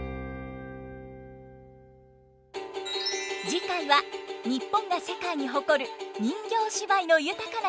次回は日本が世界に誇る人形芝居の豊かな世界にご招待。